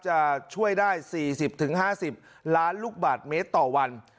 จะช่วยได้๔๐๕๐ล้านลูกบาทเมตรต่อวัน